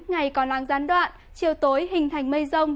ngày còn nắng gián đoạn chiều tối hình thành mây rông